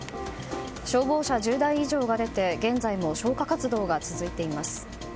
消防車１０台以上が出て現在も消火活動が続いています。